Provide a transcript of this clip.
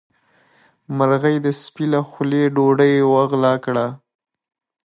مرغۍ د سپي له خولې ډوډۍ وغلا کړه.